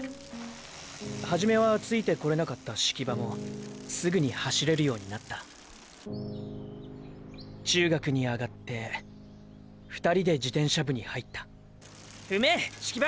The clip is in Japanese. はじめはついてこれなかった葦木場もすぐに走れるようになった中学にあがってーー２人で自転車部に入ったふめ葦木場！！